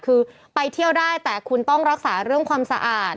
คือไปเที่ยวได้แต่คุณต้องรักษาเรื่องความสะอาด